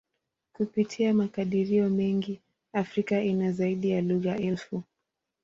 Kupitia makadirio mengi, Afrika ina zaidi ya lugha elfu.